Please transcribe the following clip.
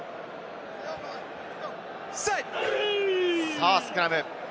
さぁ、スクラム。